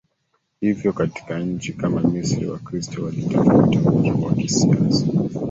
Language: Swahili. Hivyo katika nchi kama Misri Wakristo waliotafuta uhuru wa kisiasa